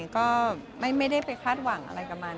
ก็ไม่ได้ไปคาดหวังอะไรกับมัน